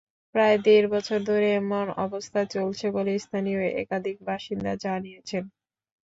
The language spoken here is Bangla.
প্রায় দেড় বছর ধরে এমন অবস্থা চলছে বলে স্থানীয় একাধিক বাসিন্দা জানিয়েছেন।